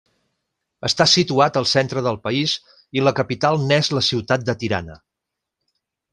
Està situat al centre del país i la capital n'és la ciutat de Tirana.